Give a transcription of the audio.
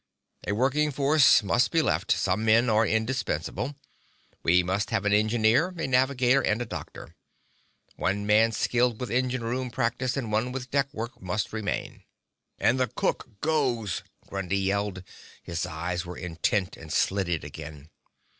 "A working force must be left. Some men are indispensable. We must have an engineer, a navigator, and a doctor. One man skilled with engine room practice and one with deck work must remain." "And the cook goes," Grundy yelled. His eyes were intent and slitted again.